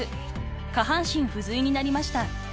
［下半身不随になりました］